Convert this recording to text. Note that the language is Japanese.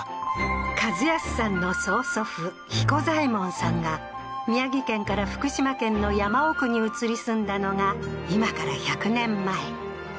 一康さんの曽祖父彦左衛門さんが、宮城県から福島県の山奥に移り住んだのが今から１００年前。